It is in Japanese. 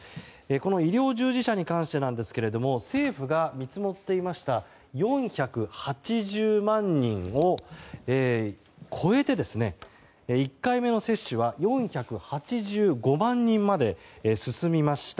医療従事者に関してなんですが政府が見積もっていました４８０万人を超えて１回目の接種は４８５万人まで進みました。